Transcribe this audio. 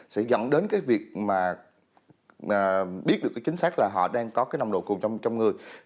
sẽ dẫn đến cái việc mà biết được cái chính xác là họ đang có cái nồng độ cồn trong người